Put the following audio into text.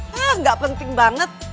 haa gak penting banget